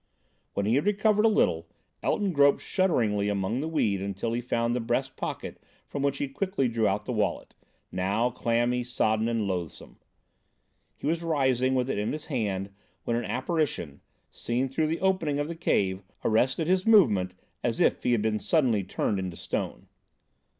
When he had recovered a little, Elton groped shudderingly among the weed until he found the breast pocket from which he quickly drew out the wallet, now clammy, sodden and loathsome. He was rising with it in his hand when an apparition, seen through the opening of the cave, arrested his movement as if he had been suddenly turned into stone.